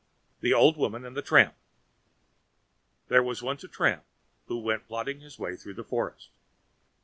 The Old Woman and the Tramp There was once a tramp who went plodding his way through a forest.